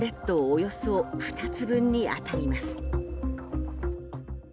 およそ２つ分に当たります。